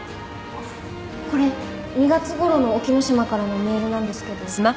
これ２月ごろの沖野島からのメールなんですけど。